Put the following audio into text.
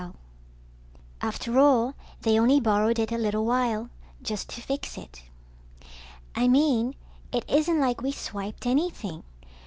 ] _After all they only borrowed it a little while, just to fix it _ I mean, it isn't like we swiped anything.